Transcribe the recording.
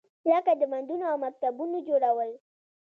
لکه د بندونو او مکتبونو جوړول.